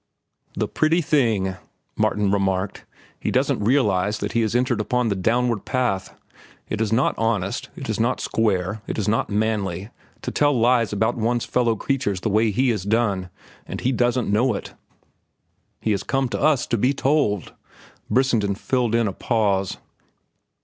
"The pretty thing," Martin remarked. "He doesn't realize that he has entered upon the downward path. It is not honest, it is not square, it is not manly, to tell lies about one's fellow creatures the way he has done, and he doesn't know it." "He has to come to us to be told," Brissenden filled in a pause.